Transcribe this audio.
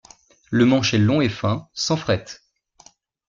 Le manche est long et fin, sans frettes.